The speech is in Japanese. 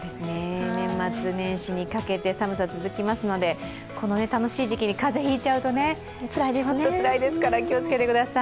年末年始にかけて、寒さ続きますのでこの楽しい時期に風邪を引いちゃうとつらいですから気をつけてください。